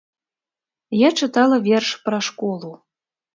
Я чытала верш пра школу.